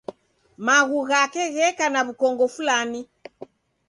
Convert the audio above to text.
Maghu ghake gheka na w'ukongo fulani.